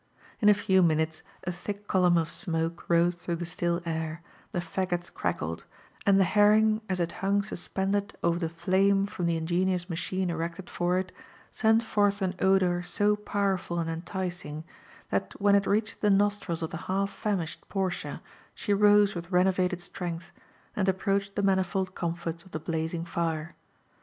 In a few mfnut^ a thick column of smoke ^ose through the still air, the faggots crackled, and the herring, as it hung suspended over the flame from the ingenious machine erected for it, scfnt forth an odour so powerful and enticing, that when it reached the nostrils of the hal(^ famished Portia, she rose with renovated strength, and approached th# manifold comforts of the blazing fire.